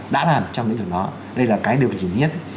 đã làm trong những đối tượng đó đây là cái điều kiện nhất